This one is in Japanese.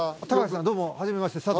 高橋さんどうもはじめまして。